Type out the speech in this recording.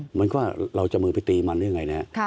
เหมือนว่าเราจะมือไปตีมันหรือยังไงนะครับ